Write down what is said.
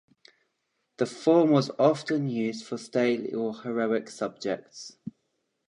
The form was often used for stately, or heroic subjects.